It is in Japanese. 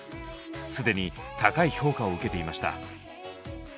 既に高い評価を受けていました。